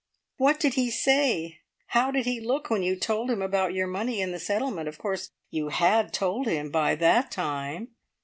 "What did he say, how did he look, when you told him about your money and the settlement? Of course, you had told him by that time."